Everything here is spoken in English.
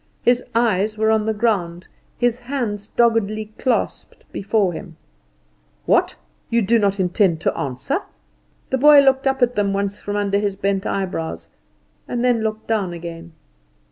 His eyes were on the ground, his hands doggedly clasped before him. "What, do you not intend to answer?" The boy looked up at them once from under his bent eyebrows, and then looked down again.